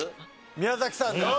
宮崎さんで。